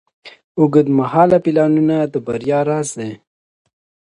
اوږدمهاله پلانونه د بریا راز دی.